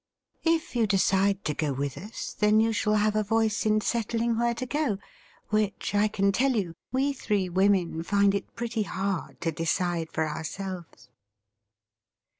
If you decide to go with us, then you snail have a voice in settling where to go, which, I can tell you, we three women find it pretty hard to decide for ourselves.''